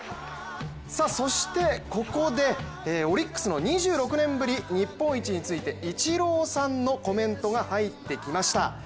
そしてここでオリックスの２６年ぶり、日本一についてイチローさんのコメントが入ってきました。